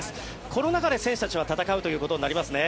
この中で選手たちは戦うということになりますね。